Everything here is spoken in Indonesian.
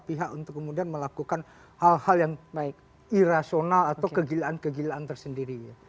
pihak untuk kemudian melakukan hal hal yang irasional atau kegilaan kegilaan tersendiri